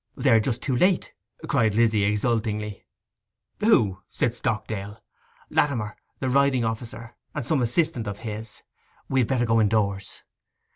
'They are just too late!' cried Lizzy exultingly. 'Who?' said Stockdale. 'Latimer, the riding officer, and some assistant of his. We had better go indoors.